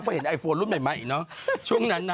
เพราะเห็นไอโฟนรุ่นใหญ่เนอะช่วงนั้นนะ